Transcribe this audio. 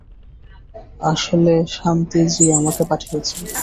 আসলে শান্তি জী আমাকে পাঠিয়েছে।